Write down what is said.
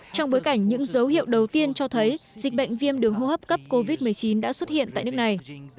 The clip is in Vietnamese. trong bối cảnh những dấu hiệu đầu tiên cho thấy dịch bệnh viêm đường hô hấp cấp covid một mươi chín đã xuất hiện tại nước này